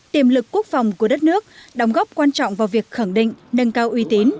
tiềm lực quốc phòng của đất nước đóng góp quan trọng vào việc khẳng định nâng cao uy tín